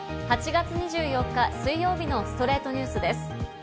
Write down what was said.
８月２４日、水曜日の『ストレイトニュース』です。